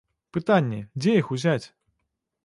Пытанне, дзе іх узяць?